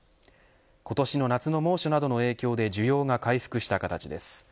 今年の夏の猛暑などの影響で需要が回復した形です